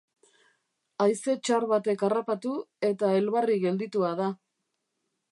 Haize txar batek harrapatu eta elbarri gelditua da